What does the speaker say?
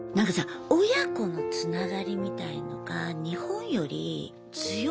親子のつながりみたいのが日本より強い気がして。